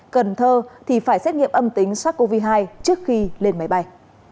cần thơ thì phải xét nghiệm âm tính sars cov hai trước khi lên máy bay